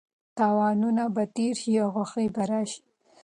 تاوانونه به تېر شي او خوښي به راشي.